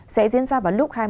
sẽ diễn ra vào lúc hai mươi h